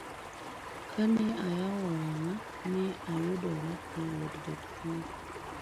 Ka ne ayawo wang'a, ne ayudora e od jotuo.